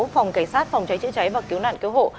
phòng cảnh sát phòng cháy chữa cháy và cứu nạn cứu hộ